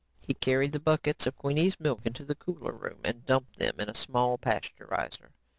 He carried the buckets of Queenie's milk into the cooler room and dumped them in a small pasturizer.